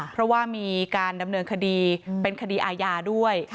เพราะว่ามีการดำเนินคดีเป็นคดีอาญาด้วย